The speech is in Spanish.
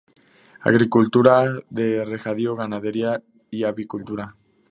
Agricultura de regadío, ganadería y avicultura.